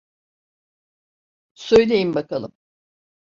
Söyleyin bakalım.